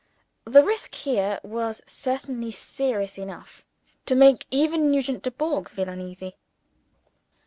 The risk here was certainly serious enough to make even Nugent Dubourg feel uneasy.